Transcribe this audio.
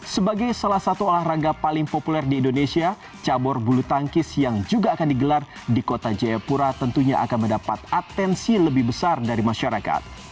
sebagai salah satu olahraga paling populer di indonesia cabur bulu tangkis yang juga akan digelar di kota jayapura tentunya akan mendapat atensi lebih besar dari masyarakat